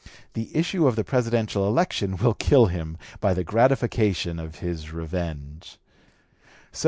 The issue of the Presidential election will kill [him] by the gratification of [his] revenge."